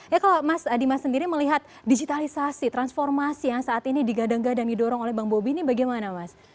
ya kalau mas dimas sendiri melihat digitalisasi transformasi yang saat ini digadang gadang didorong oleh bang bobi ini bagaimana mas